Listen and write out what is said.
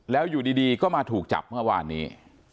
แล้วอยู่ดีก็มาถูกจับเมื่อวานนี้